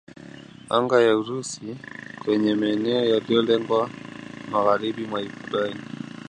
anga ya Urusi kwenye maeneo yaliyolenga magharibi mwa Ukraine